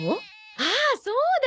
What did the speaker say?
ああそうだ！